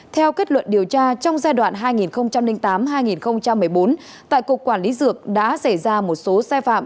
theo kết luận điều tra trong giai đoạn hai nghìn tám hai nghìn một mươi bốn tại cục quản lý dược đã xảy ra một số sai phạm